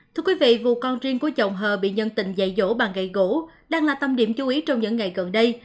thưa quý vị vụ con riêng của chồng hờ bị nhân tình dạy dỗ bằng gậy gỗ đang là tâm điểm chú ý trong những ngày gần đây